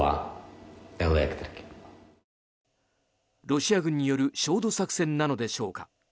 ロシア軍による焦土作戦なのでしょうか。